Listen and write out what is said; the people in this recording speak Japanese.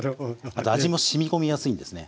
あと味もしみ込みやすいんですね。